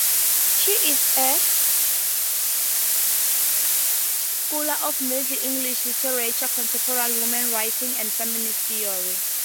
She is a scholar of Middle English literature, contemporary women's writing and feminist theory.